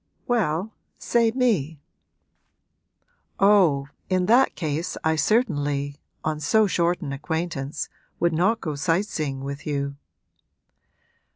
'Well, say me.' 'Oh, in that case I certainly on so short an acquaintance would not go sight seeing with you.'